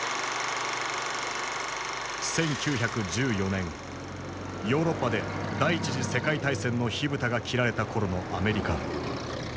１９１４年ヨーロッパで第一次世界大戦の火蓋が切られた頃のアメリカ。